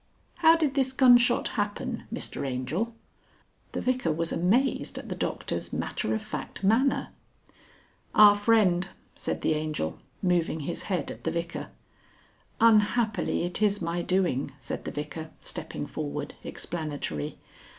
How did this gunshot happen, Mr Angel?" The Vicar was amazed at the Doctor's matter of fact manner. "Our friend," said the Angel, moving his head at the Vicar. "Unhappily it is my doing," said the Vicar, stepping forward, explanatory.